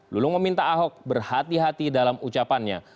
lulung meminta ahok berhati hati dalam ucapannya